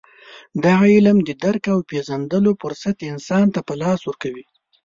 دغه علوم د درک او پېژندلو فرصت انسان ته په لاس ورکوي.